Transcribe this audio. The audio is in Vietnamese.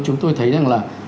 chúng tôi thấy rằng là